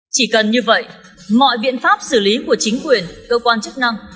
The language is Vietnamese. chỉ cần như vậy mọi biện pháp xử lý của chính quyền cơ quan chức năng